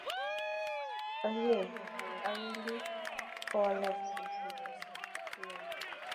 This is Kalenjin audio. oywei ale wendi kowolokisot ng'alek koyookitu